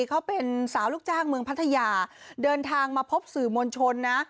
เขาเป็นสาวลูกจ้างเมืองพัทยาเดินทางมาพบสื่อมวลชนนะ